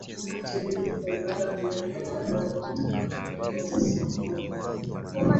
mtiririko wa ibada huenda kama Roho atakavyoongoza siku hiyo Kwa